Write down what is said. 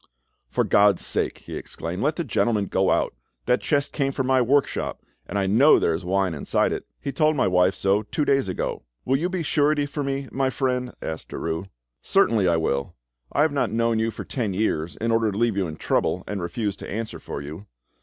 "For God's sake," he exclaimed, "let the gentleman go on. That chest came from my workshop, and I know there is wine inside it; he told my wife so two days ago." "Will you be surety for me, my friend?" asked Derues. "Certainly I will; I have not known you for ten years in order to leave you in trouble and refuse to answer for you.